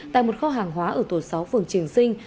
tại một kho hàng hóa ở tổ sáu phường triền sinh